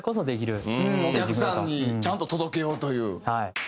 お客さんにちゃんと届けようという。